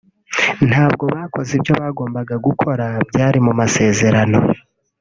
ntabwo bakoze ibyo bagombaga gukora byari mu masezerano